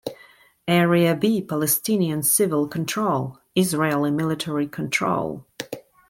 Area B - Palestinian civil control, Israeli military control.